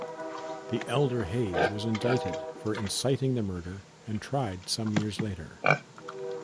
The elder Hays was indicted for inciting the murder and tried some years later.